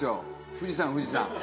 富士山富士山。